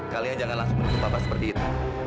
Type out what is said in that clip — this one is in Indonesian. kalian jangan langsung menutup papa seperti itu